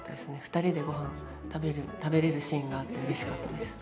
２人で、ごはん食べる食べれるシーンがあってうれしかったです。